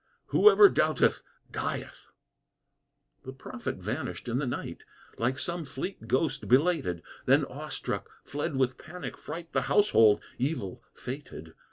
Whoever doubteth, dieth!" The prophet vanished in the night, Like some fleet ghost belated: Then, awe struck, fled with panic fright The household, evil fated.